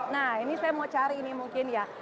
nah ini saya mau cari ini mungkin ya